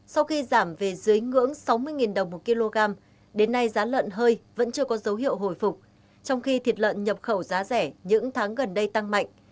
sau khi giảm về dưới ngưỡng sáu mươi đồng một kg đến nay giá lợn hơi vẫn chưa có dấu hiệu hồi phục trong khi thịt lợn nhập khẩu giá rẻ những tháng gần đây tăng mạnh